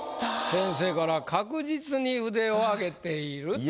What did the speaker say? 先生から「確実に腕を上げている！」という。